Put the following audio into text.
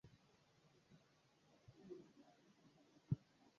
Vidonda hivyo hugeuka kuwa upele mbaya